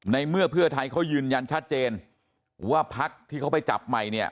ในเมื่อเพื่อไทยเขายืนยันชัดเจนว่าพักที่เขาไปจับใหม่เนี่ย